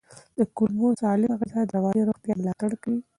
د کولمو سالمه غذا د رواني روغتیا ملاتړ کوي.